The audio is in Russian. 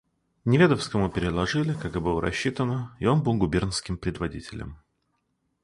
Неведовскому переложили, как и было рассчитано, и он был губернским предводителем.